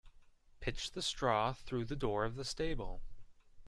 Pitch the straw through the door of the stable.